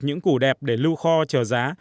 những củ đẹp để lưu kho chờ giá